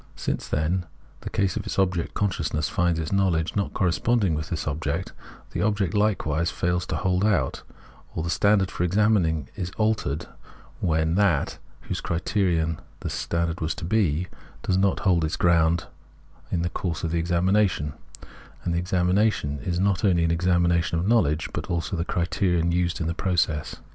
Since, then, in the case of its object consciousness finds its knowledge not corresponding with this object, the object hkewise fails to hold out ; or the standard for examining is altered when that, whose criterion this standard was to be, does not hold its ground in the course of the examination ; and the examination is not only an examination of knowledge, but also of the criterion used in the process.